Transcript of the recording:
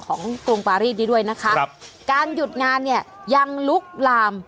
กรุงปารีสนี้ด้วยนะคะครับการหยุดงานเนี่ยยังลุกลาม